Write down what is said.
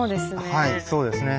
はいそうですね。